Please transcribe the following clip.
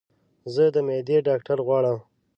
زه د معدي ډاکټر غواړم